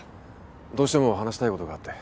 どうしても話したいことがあって。